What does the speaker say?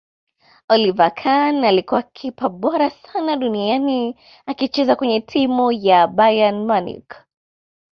oliver khan alikuwa kipa bora sana duniani akicheza kwenye timu ya bayern munich